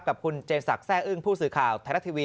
กับคุณเจนสักแร่อึ้งผู้สื่อข่าวไทยรัฐทีวี